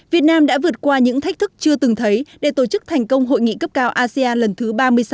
việt nam đã vượt qua những thách thức chưa từng thấy để tổ chức thành công hội nghị cấp cao asean lần thứ ba mươi sáu